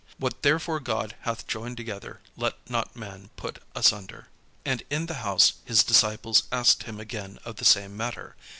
What therefore God hath joined together, let not man put asunder." And in the house his disciples asked him again of the same matter.